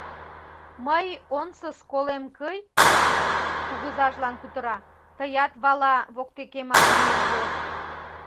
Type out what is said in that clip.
— Мый онсыс колем кый, — кугызажлан кутыра, — тыят вала воктемак миен вос.